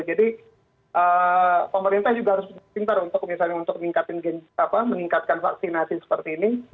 jadi pemerintah juga harus berpikir untuk meningkatkan vaksinasi seperti ini